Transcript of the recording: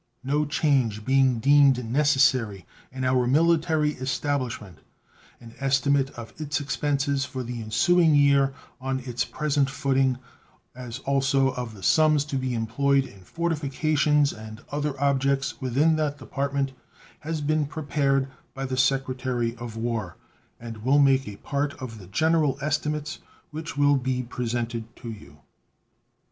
No change being deemed necessary in our military establishment, an estimate of its expenses for the ensuing year on its present footing, as also of the sums to be employed in fortifications and other objects within that department, has been prepared by the Secretary of War, and will make a part of the general estimates which will be presented you.